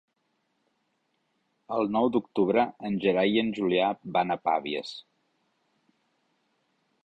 El nou d'octubre en Gerai i en Julià van a Pavies.